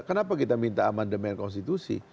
kenapa kita minta amandemen konstitusi